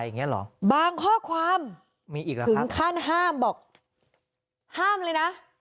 อย่างเงี้เหรอบางข้อความมีอีกเหรอถึงขั้นห้ามบอกห้ามเลยนะ